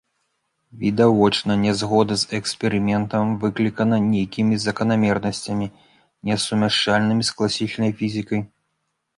Відавочна нязгода з эксперыментам выклікана нейкімі заканамернасцямі, несумяшчальнымі з класічнай фізікай.